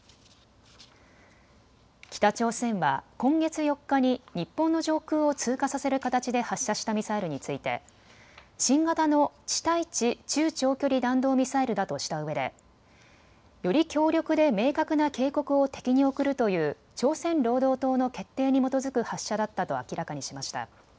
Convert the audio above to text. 北朝鮮は今月４日に日本の上空を通過させる形で発射したミサイルについて新型の地対地中長距離弾道ミサイルだとしたうえでより強力で明白な警告を敵に送るという朝鮮労働党の決定に基づく発射だったと明らかにしました。